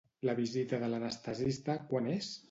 La visita de l'anestesista, quan és?